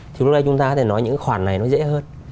thì lúc này chúng ta có thể nói những khoản này nó dễ hơn